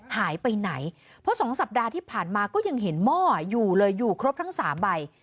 หายไปไหนเพราะสองสัปดาห์ที่ผ่านมาก็ยังเห็นหม้ออยู่เลยอยู่ครบทั้ง๓ใบ